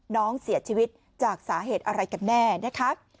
น้องเสียชีวิตจากสาเหตุอะไรกันแน่นะคะ